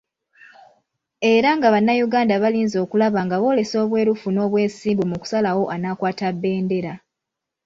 Era nga bannayuganda balinze okulaba nga boolesa obwerufu n’obwesimbu mu kusalawo anaakwata bbendera.